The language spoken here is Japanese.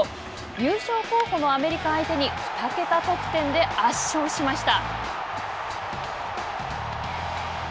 優勝候補のアメリカ相手に２桁得点で、圧勝しました。